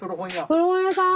古本屋さん。